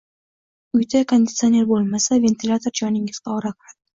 Uyda kondisioner bo`lmasa, ventilyator joningizga oro kiradi.